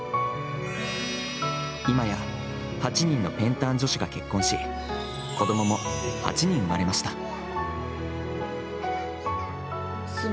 今や８人のペンターン女子が結婚し子供も８人生まれました。